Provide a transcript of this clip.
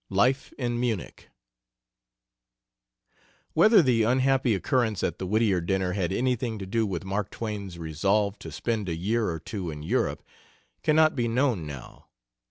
LIFE IN MUNICH. Whether the unhappy occurrence at the Whittier dinner had anything to do with Mark Twain's resolve to spend a year or two in Europe cannot be known now.